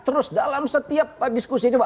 terus dalam setiap diskusi coba